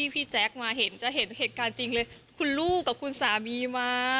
พี่แจ๊คมาเห็นจะเห็นเหตุการณ์จริงเลยคุณลูกกับคุณสามีมา